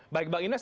baik bang ines